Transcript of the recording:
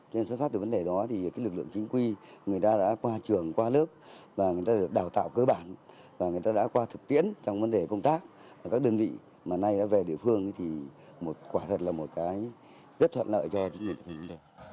cho nên xuất phát từ vấn đề đó lực lượng chính quy người ta đã qua trường qua lớp người ta đã được đào tạo cơ bản người ta đã qua thực tiễn trong vấn đề công tác các đơn vị mà nay đã về địa phương thì quả thật là một cái rất thuận lợi cho chính quyền địa phương